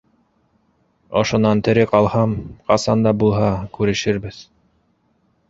Ошонан тере ҡалһам, ҡасан да булһа күрешербеҙ.